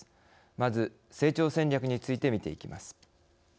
まず成長戦略についてみていきます。